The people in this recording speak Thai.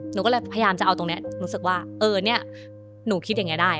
หนูก็เลยพยายามจะเอาตรงนี้รู้สึกว่าเออเนี่ยหนูคิดอย่างนี้ได้